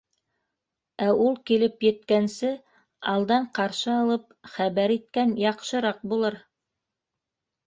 Ә ул килеп еткәнсе, алдан ҡаршы алып хәбәр иткән яҡшыраҡ булыр.